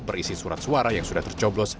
berisi surat suara yang sudah tercoblos